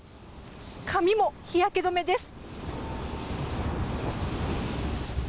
髪も日焼け止めです。